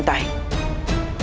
kita harus lebih masyarakat